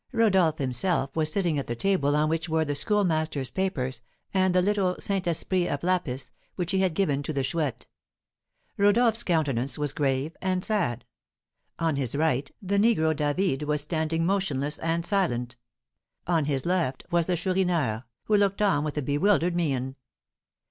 Rodolph himself was sitting at the table on which were the Schoolmaster's papers and the little Saint Esprit of lapis which he had given to the Chouette. Rodolph's countenance was grave and sad. On his right the negro David was standing motionless and silent; on his left was the Chourineur, who looked on with a bewildered mien.